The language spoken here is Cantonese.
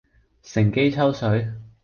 乘機抽水